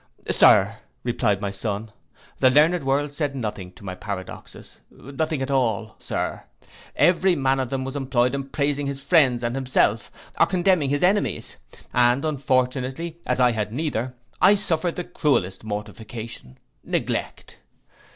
'Sir,' replied my son, 'the learned world said nothing to my paradoxes; nothing at all, Sir. Every man of them was employed in praising his friends and himself, or condemning his enemies; and unfortunately, as I had neither, I suffered the cruellest mortification, neglect.